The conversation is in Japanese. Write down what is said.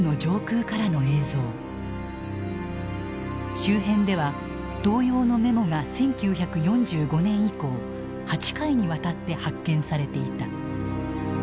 周辺では同様のメモが１９４５年以降８回にわたって発見されていた。